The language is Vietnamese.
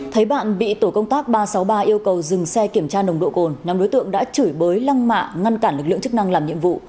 thấy bạn bị tổ công tác ba trăm sáu mươi ba yêu cầu dừng xe kiểm tra nồng độ cồn nhóm đối tượng đã chửi bới lăng mạ ngăn cản lực lượng chức năng làm nhiệm vụ